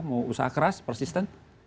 mau usaha keras persisten